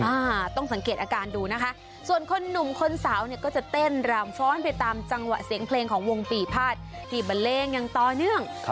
อ่าต้องสังเกตอาการดูนะคะส่วนคนหนุ่มคนสาวเนี่ยก็จะเต้นรำฟ้อนไปตามจังหวะเสียงเพลงของวงปีภาษที่บันเลงอย่างต่อเนื่อง